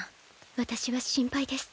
私は心配です。